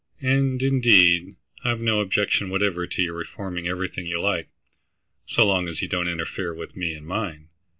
And, indeed, I've no objection whatever to your reforming everything you like, so long as you don't interfere with me and mine.